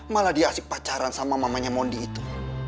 malah dia asik pacaran sama mamanya mondi itu